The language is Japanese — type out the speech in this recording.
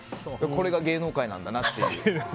これが芸能界なんだなっていう。